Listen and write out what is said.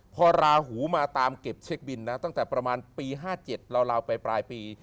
พอราหูมาตามเก็บเช็คบินนะตั้งแต่ประมาณปี๕๗ราวไปปลายปี